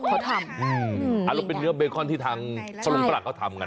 อันนั้นเป็นเนื้อเบเกิ้ลที่ทางสลงประหลักเขาทำกัน